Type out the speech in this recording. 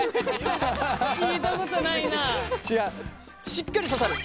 しっかり刺さる